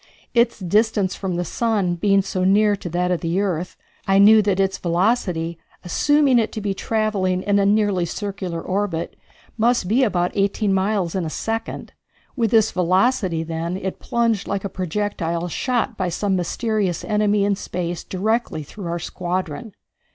Its distance from the sun being so near that of the earth, I knew that its velocity, assuming it to be travelling in a nearly circular orbit, must be about eighteen miles in a second. With this velocity, then, it plunged like a projectile shot by some mysterious enemy in space directly through our squadron.